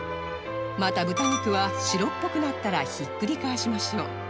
また豚肉は白っぽくなったらひっくり返しましょう